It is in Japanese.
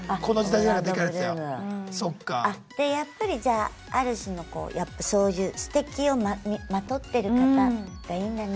やっぱりじゃあある種のこうそういうすてきをまとってる方がいいんだね。